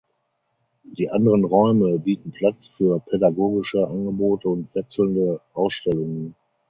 Die anderen Räume bieten Platz für pädagogische Angebote und wechselnde Ausstellungen.